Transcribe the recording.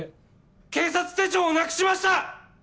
警察手帳をなくしました！